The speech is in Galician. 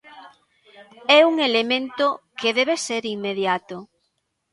É un elemento que debe ser inmediato.